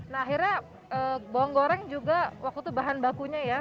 nah akhirnya bawang goreng juga waktu itu bahan bakunya ya